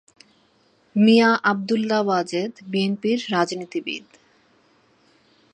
মিয়া আবদুল্লাহ ওয়াজেদ বিএনপির রাজনীতিবিদ।